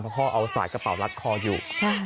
เพราะพ่อเอาสายกระเป๋ารัดคออยู่